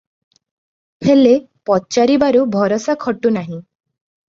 ହେଲେ, ପଚାରିବାକୁ ଭରସା ଖଟୁ ନାହିଁ ।